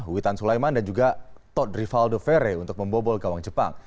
witan sulaiman dan juga tod rivaldo ferre untuk membobol gawang jepang